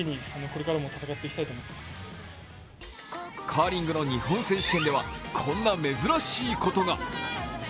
カーリングの日本選手権ではこんな珍しいことが。